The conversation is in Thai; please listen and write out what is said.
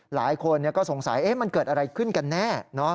หลายคนก็สงสัยมันเกิดอะไรขึ้นกันแน่